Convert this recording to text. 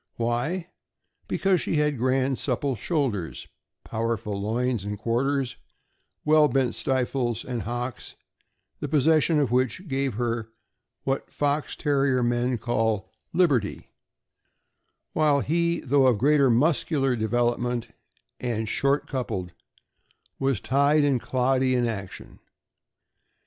Why? Because she had grand supple shoulders, powerful loins and quarters, well bent stifles and hocks, the possession of which gave her what Fox Terrier men call ''liberty," while he, though of great muscular development and short coupled, was tied and cloddy in action.